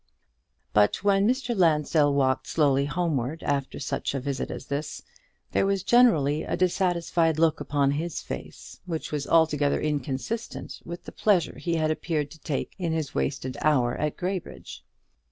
But when Mr. Lansdell walked slowly homeward after such a visit as this, there was generally a dissatisfied look upon his face, which was altogether inconsistent with the pleasure he had appeared to take in his wasted hour at Graybridge.